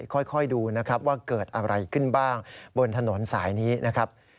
ค่อยดูนะครับว่าเกิดอะไรขึ้นบ้างบนถนนสายนี้นะครับ